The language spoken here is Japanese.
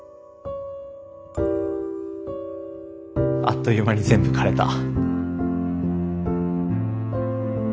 あっという間に全部枯れた。